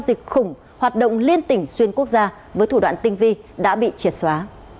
dịch khủng hoạt động liên tỉnh xuyên quốc gia với thủ đoạn tinh vi đã bị triệt xóa